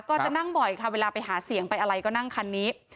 ก็จะนั่งบ่อยค่ะเวลาไปหาเสียงไปอะไรก็นั่งคันนี้